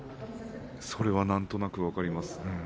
それはなんとなく分かります。